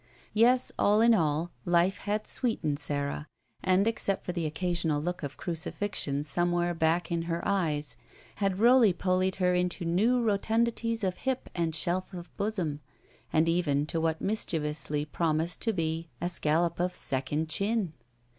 Yes, all in all, life had sweetened Sara, and, except for the occasional look of crucifixion somewhere back in her eyes, had roly polied her into new rottmdities of hip and shelf of bosom, and even to what mis chievously promised to be a scallop of second chin.